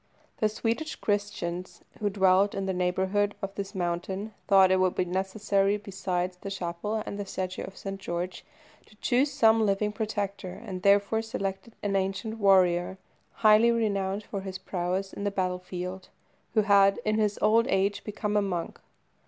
The Swedish Christians who dwelt in the neighbourhood of this mountain thought it would be necessary, besides the chapel and statue of St. George, to choose some living protector, and therefore selected an ancient warrior, highly renowned for his prowess in the battle field, who had, in his old age, become a monk.